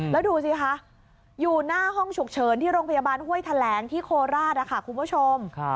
แล้วดูสิคะอยู่หน้าห้องฉุกเฉินที่โรงพยาบาลห้วยแถลงที่โคราชคุณผู้ชม